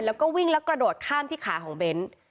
แล้วก็วิ่งแล้วกระโดดข้ามที่ขาของเบ้น